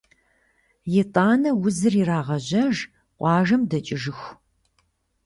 Итӏанэ узыр ирагъэжьэж къуажэм дэкӏыжыху.